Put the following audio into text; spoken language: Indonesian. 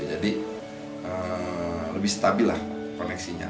jadi lebih stabil lah koneksinya